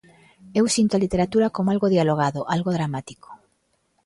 Eu sinto a literatura como algo dialogado, algo dramático.